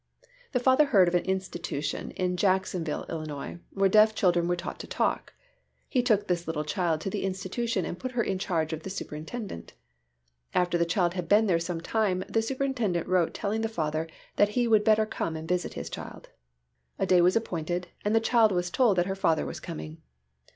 The father heard of an institution in Jacksonville, Ill., where deaf children were taught to talk. He took this little child to the institution and put her in charge of the superintendent. After the child had been there some time, the superintendent wrote telling the father that he would better come and visit his child. A day was appointed and the child was told that her father was coming.